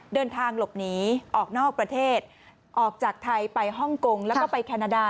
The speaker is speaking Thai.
เดินทางหลบหนีออกนอกประเทศออกจากไทยไปฮ่องกงแล้วก็ไปแคนาดา